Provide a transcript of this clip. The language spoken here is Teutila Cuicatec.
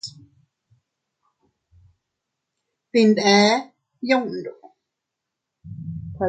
Dinde yundu.